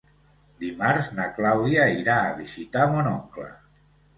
Dimarts na Clàudia irà a visitar mon oncle.